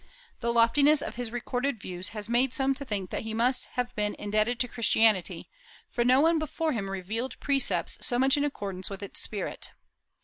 The loftiness of his recorded views has made some to think that he must have been indebted to Christianity, for no one before him revealed precepts so much in accordance with its spirit.